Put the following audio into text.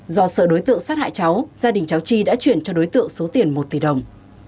do sợ đối tượng sát hại cháu gia đình cháu chi đã chuyển cho đối tượng số tiền một tỷ đồng